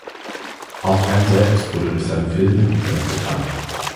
Auch Henn selbst wurde durch seine Filme im Internet bekannt.